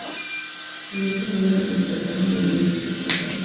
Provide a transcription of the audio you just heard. En ese vuelo se transportaron algunas piezas postales.